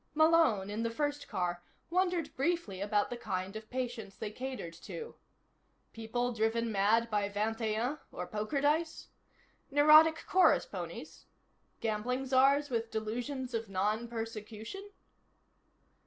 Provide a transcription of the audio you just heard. Malone, in the first car, wondered briefly about the kind of patients they catered to. People driven mad by vingt et un or poker dice? Neurotic chorus ponies? Gambling czars with delusions of non persecution?